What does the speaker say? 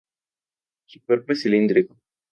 Su cuerpo es cilíndrico.